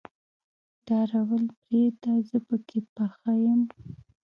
ډارول پرېده زه پکې پخه يم.